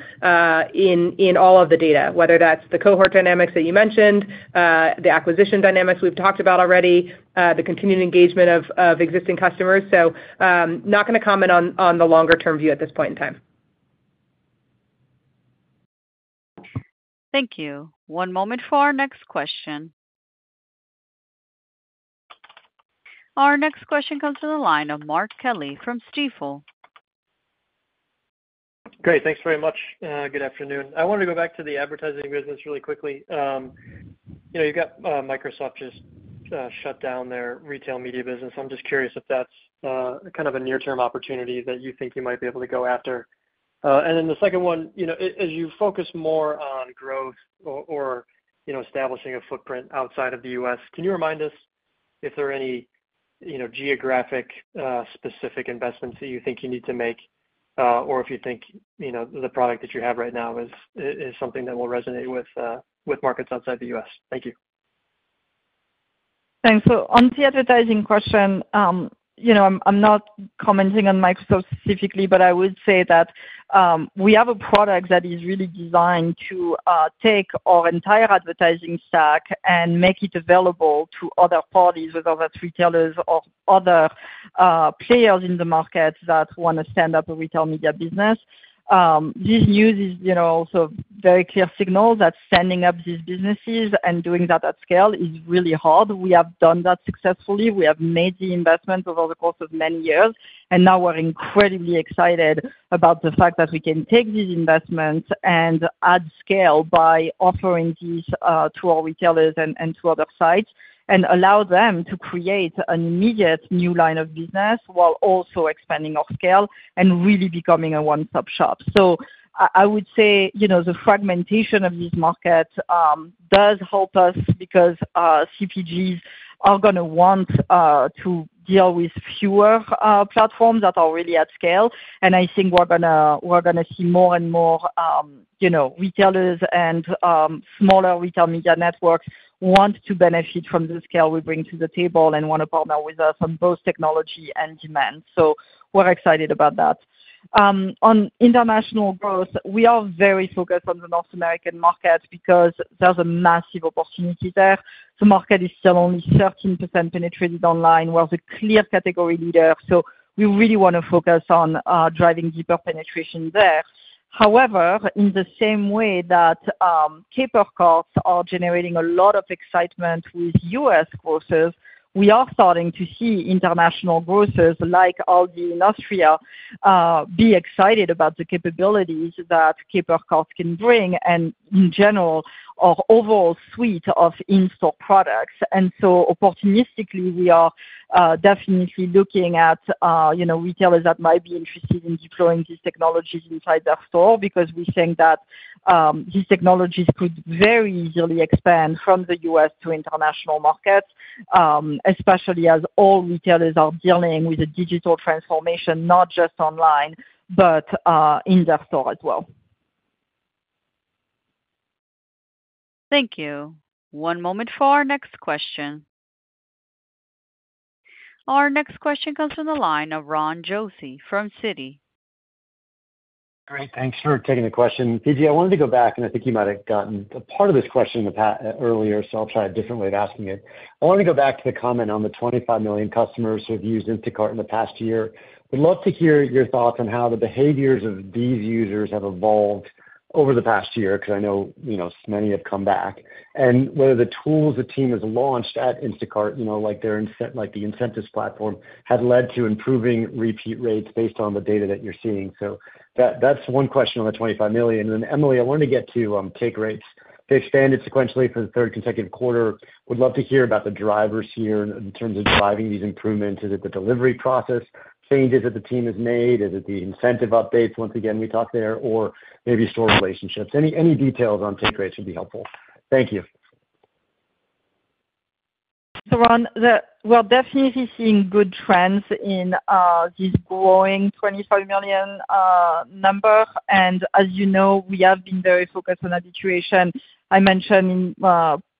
in all of the data, whether that's the cohort dynamics that you mentioned, the acquisition dynamics we've talked about already, the continued engagement of existing customers. So, not gonna comment on the longer-term view at this point in time. Thank you. One moment for our next question. Our next question comes to the line of Mark Kelley from Stifel. Great. Thanks very much. Good afternoon. I wanted to go back to the advertising business really quickly. You know, you've got Microsoft just shut down their retail media business. I'm just curious if that's kind of a near-term opportunity that you think you might be able to go after? And then the second one, you know, as you focus more on growth or, you know, establishing a footprint outside of the U.S., can you remind us if there are any, you know, geographic specific investments that you think you need to make, or if you think, you know, the product that you have right now is something that will resonate with markets outside the U.S.? Thank you. Thanks. So on the advertising question, you know, I'm not commenting on Microsoft specifically, but I would say that we have a product that is really designed to take our entire advertising stack and make it available to other parties, with other retailers or other players in the market that wanna stand up a retail media business. This news is, you know, so very clear signal that standing up these businesses and doing that at scale is really hard. We have done that successfully. We have made the investment over the course of many years, and now we're incredibly excited about the fact that we can take these investments and add scale by offering these to our retailers and, and to other sites, and allow them to create an immediate new line of business while also expanding our scale and really becoming a one-stop shop. So I, I would say, you know, the fragmentation of these markets does help us because CPGs are gonna want to deal with fewer platforms that are really at scale. And I think we're gonna, we're gonna see more and more, you know, retailers and smaller retail media networks want to benefit from the scale we bring to the table and want to partner with us on both technology and demand. So we're excited about that. On international growth, we are very focused on the North American market because there's a massive opportunity there. The market is still only 13% penetrated online. We're the clear category leader, so we really wanna focus on driving deeper penetration there. However, in the same way that Caper Carts are generating a lot of excitement with US groceries, we are starting to see international groceries, like ALDI in Austria, be excited about the capabilities that Caper Carts can bring, and in general, our overall suite of in-store products. Opportunistically, we are definitely looking at you know retailers that might be interested in deploying these technologies inside their store, because we think that these technologies could very easily expand from the U.S. to international markets, especially as all retailers are dealing with a digital transformation, not just online, but in their store as well. Thank you. One moment for our next question. Our next question comes from the line of Ron Josey from Citi. Great. Thanks for taking the question. Gigi, I wanted to go back, and I think you might have gotten a part of this question in the earlier, so I'll try a different way of asking it. I want to go back to the comment on the 25 million customers who have used Instacart in the past year. Would love to hear your thoughts on how the behaviors of these users have evolved over the past year, because I know, you know, many have come back. And whether the tools the team has launched at Instacart, you know, like the incentives platform, have led to improving repeat rates based on the data that you're seeing. So that, that's one question on the 25 million. And then, Emily, I wanted to get to, take rates. They expanded sequentially for the third consecutive quarter. Would love to hear about the drivers here in terms of driving these improvements. Is it the delivery process changes that the team has made? Is it the incentive updates, once again, we talked there, or maybe store relationships? Any, any details on take rates would be helpful. Thank you.... So Ron, the, we're definitely seeing good trends in this growing 25 million number. And as you know, we have been very focused on habituation. I mentioned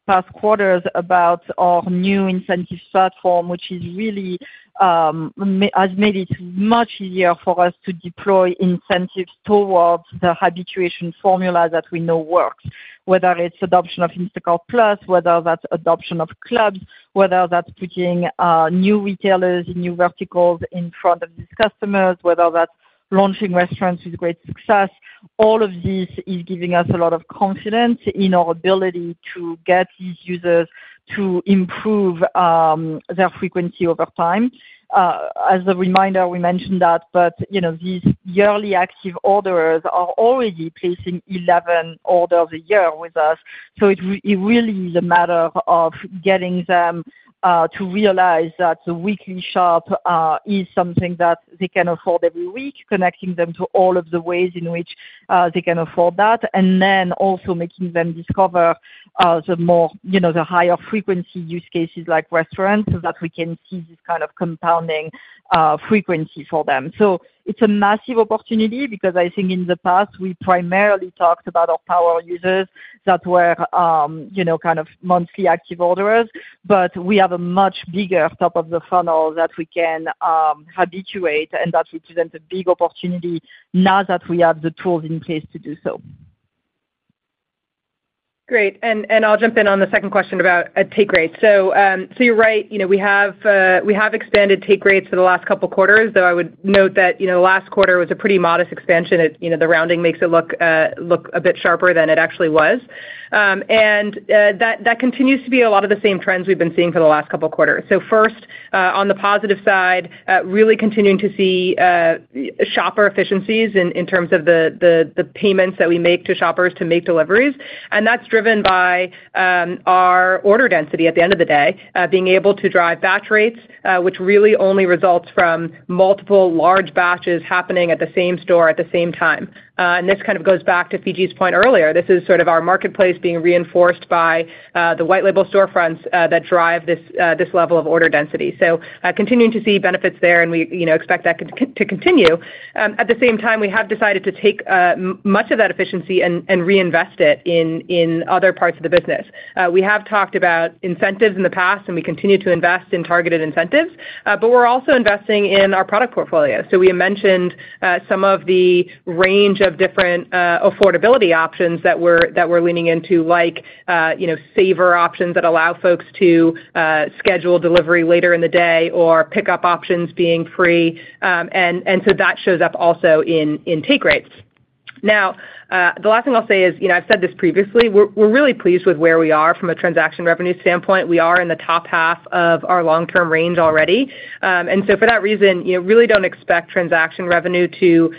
past quarters about our new incentive platform, which is really, has made it much easier for us to deploy incentives towards the habituation formula that we know works. Whether it's adoption of Instacart+, whether that's adoption of clubs, whether that's putting new retailers and new verticals in front of these customers, whether that's launching restaurants with great success, all of this is giving us a lot of confidence in our ability to get these users to improve their frequency over time. As a reminder, we mentioned that, but, you know, these yearly active orders are already placing 11 orders a year with us, so it really is a matter of getting them to realize that the weekly shop is something that they can afford every week, connecting them to all of the ways in which they can afford that, and then also making them discover the more, you know, the higher frequency use cases like restaurants, so that we can see this kind of compounding frequency for them. So it's a massive opportunity because I think in the past, we primarily talked about our power users that were, you know, kind of monthly active orders. But we have a much bigger top of the funnel that we can habituate, and that represents a big opportunity now that we have the tools in place to do so. Great, and I'll jump in on the second question about take rates. So, you're right, you know, we have expanded take rates for the last couple of quarters, though I would note that, you know, last quarter was a pretty modest expansion. It, you know, the rounding makes it look a bit sharper than it actually was. And, that continues to be a lot of the same trends we've been seeing for the last couple of quarters. So first, on the positive side, really continuing to see shopper efficiencies in terms of the payments that we make to shoppers to make deliveries. And that's driven by our order density at the end of the day, being able to drive batch rates, which really only results from multiple large batches happening at the same store at the same time. And this kind of goes back to Fidji's point earlier. This is sort of our marketplace being reinforced by the white label storefronts that drive this level of order density. So, continuing to see benefits there, and we, you know, expect that to continue. At the same time, we have decided to take much of that efficiency and reinvest it in other parts of the business. We have talked about incentives in the past, and we continue to invest in targeted incentives, but we're also investing in our product portfolio. So we mentioned some of the range of different affordability options that we're leaning into, like you know, saver options that allow folks to schedule delivery later in the day or pick up options being free. And so that shows up also in take rates. Now, the last thing I'll say is, you know, I've said this previously, we're really pleased with where we are from a transaction revenue standpoint. We are in the top half of our long-term range already. And so for that reason, you know, really don't expect transaction revenue to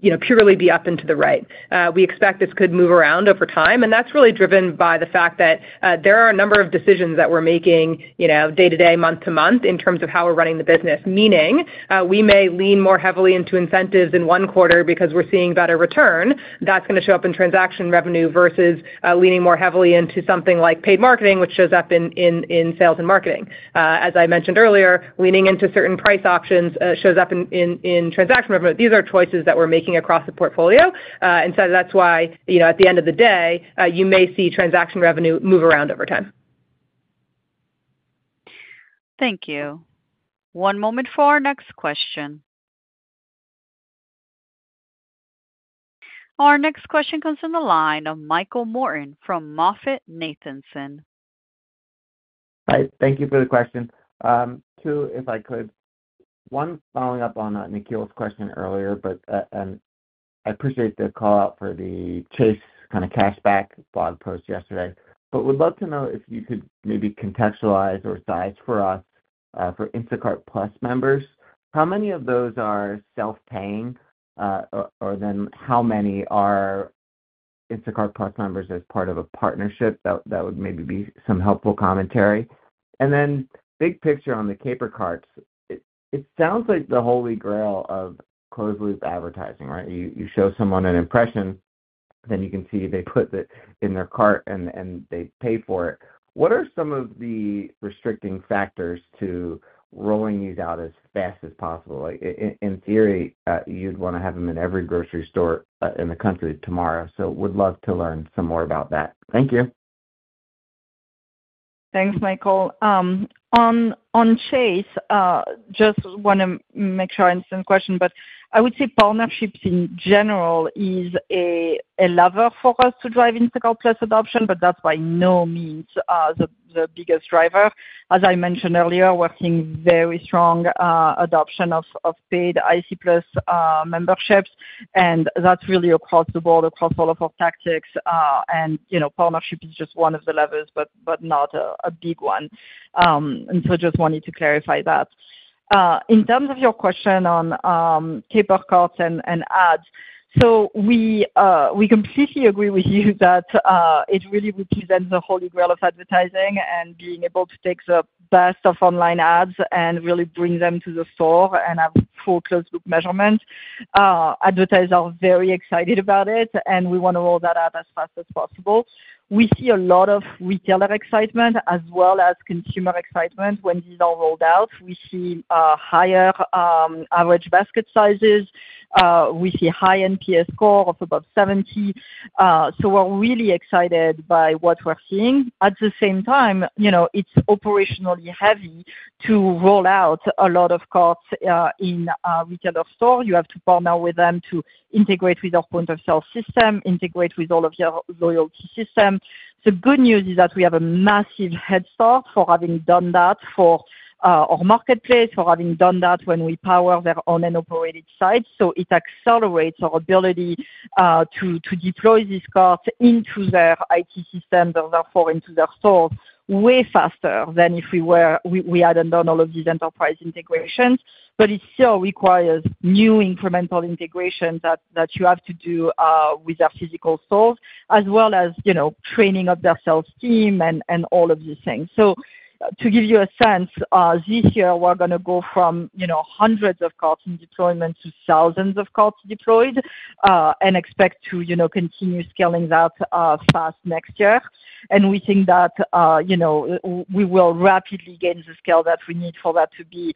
you know, purely be up into the right. We expect this could move around over time, and that's really driven by the fact that there are a number of decisions that we're making, you know, day to day, month to month, in terms of how we're running the business. Meaning, we may lean more heavily into incentives in one quarter because we're seeing better return. That's gonna show up in transaction revenue versus leaning more heavily into something like paid marketing, which shows up in sales and marketing. As I mentioned earlier, leaning into certain price options shows up in transaction revenue. These are choices that we're making across the portfolio, and so that's why, you know, at the end of the day, you may see transaction revenue move around over time. Thank you. One moment for our next question. Our next question comes from the line of Michael Morton from MoffettNathanson. Hi, thank you for the question. Two, if I could. One, following up on Nikhil's question earlier, but and I appreciate the call out for the Chase kind of cashback blog post yesterday. But would love to know if you could maybe contextualize or size for us for Instacart+ members, how many of those are self-paying? Or then how many are Instacart+ members as part of a partnership? That would maybe be some helpful commentary. And then, big picture on the Caper Carts, it sounds like the holy grail of closed loop advertising, right? You show someone an impression, then you can see they put it in their cart and they pay for it. What are some of the restricting factors to rolling these out as fast as possible? Like, in theory, you'd wanna have them in every grocery store in the country tomorrow, so would love to learn some more about that. Thank you. Thanks, Michael. On Chase, just wanna make sure I understand the question, but I would say partnerships in general is a lever for us to drive Instacart+ adoption, but that's by no means the biggest driver. As I mentioned earlier, we're seeing very strong adoption of paid IC+ memberships, and that's really across the board, across all of our tactics. And, you know, partnership is just one of the levers, but not a big one. So just wanted to clarify that. In terms of your question on Caper Carts and ads. So we completely agree with you that it really represents the holy grail of advertising and being able to take the best of online ads and really bring them to the store and have full closed-loop measurement. Advertisers are very excited about it, and we wanna roll that out as fast as possible. We see a lot of retailer excitement as well as consumer excitement when these are rolled out. We see higher average basket sizes. We see high NPS score of about 70. So we're really excited by what we're seeing. At the same time, you know, it's operationally heavy to roll out a lot of carts in our retailer store. You have to partner with them to integrate with our point-of-sale system, integrate with all of your loyalty system. The good news is that we have a massive head start for having done that for our marketplace, for having done that when we power their owned and operated sites. So it accelerates our ability to deploy these carts into their IT system and therefore into their stores, way faster than if we hadn't done all of these enterprise integrations. But it still requires new incremental integration that you have to do with our physical stores, as well as, you know, training of their sales team and all of these things. So to give you a sense, this year, we're gonna go from, you know, hundreds of carts in deployment to thousands of carts deployed, and expect to, you know, continue scaling that fast next year. We think that, you know, we will rapidly gain the scale that we need for that to be,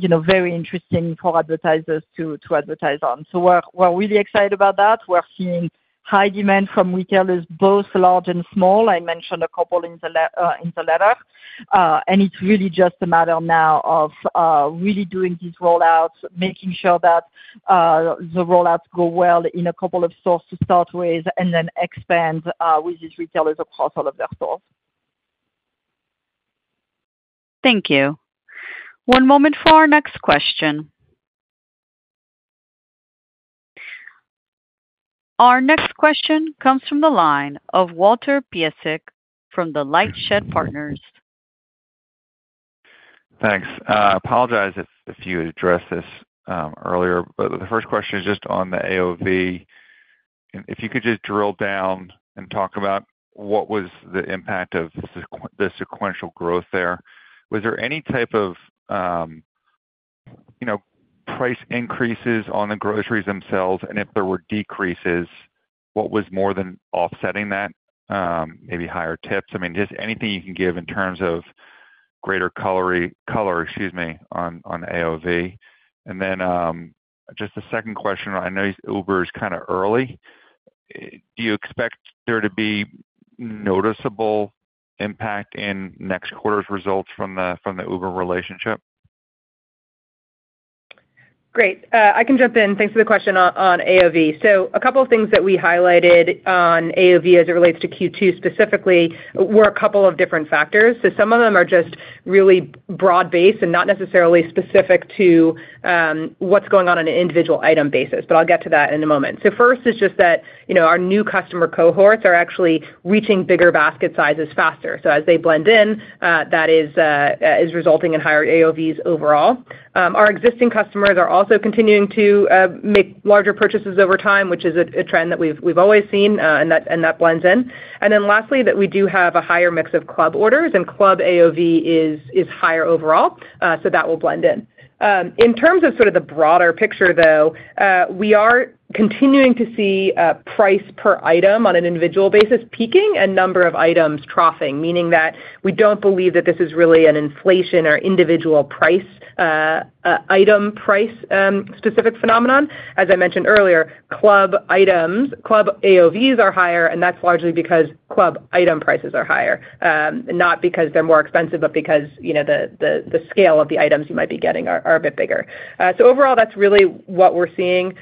you know, very interesting for advertisers to, to advertise on. So we're, we're really excited about that. We're seeing high demand from retailers, both large and small. I mentioned a couple in the letter. It's really just a matter now of, really doing these rollouts, making sure that, the rollouts go well in a couple of stores to start with, and then expand, with these retailers across all of their stores. Thank you. One moment for our next question. Our next question comes from the line of Walter Piecyk from LightShed Partners. Thanks. I apologize if you addressed this earlier, but the first question is just on the AOV. And if you could just drill down and talk about what was the impact of the sequential growth there. Was there any type of, you know, price increases on the groceries themselves? And if there were decreases, what was more than offsetting that, maybe higher tips? I mean, just anything you can give in terms of greater color, excuse me, on AOV. And then, just a second question. I know Uber is kind of early. Do you expect there to be noticeable impact in next quarter's results from the Uber relationship? Great. I can jump in. Thanks for the question on AOV. So a couple of things that we highlighted on AOV as it relates to Q2 specifically were a couple of different factors. So some of them are just really broad-based and not necessarily specific to what's going on on an individual item basis, but I'll get to that in a moment. So first, it's just that, you know, our new customer cohorts are actually reaching bigger basket sizes faster. So as they blend in, that is resulting in higher AOVs overall. Our existing customers are also continuing to make larger purchases over time, which is a trend that we've always seen, and that blends in. Then lastly, that we do have a higher mix of Club orders, and Club AOV is higher overall, so that will blend in. In terms of sort of the broader picture, though, we are continuing to see price per item on an individual basis peaking and number of items troughing, meaning that we don't believe that this is really an inflation or individual price item price specific phenomenon. As I mentioned earlier, Club items, Club AOVs are higher, and that's largely because Club item prices are higher. Not because they're more expensive, but because, you know, the scale of the items you might be getting are a bit bigger. So overall, that's really what we're seeing.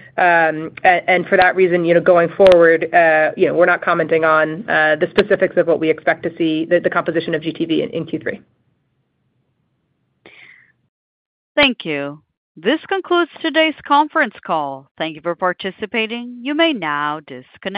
And for that reason, you know, going forward, you know, we're not commenting on the specifics of what we expect to see the composition of GTV in Q3. Thank you. This concludes today's conference call. Thank you for participating. You may now disconnect.